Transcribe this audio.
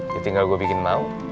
ya tinggal gue bikin mau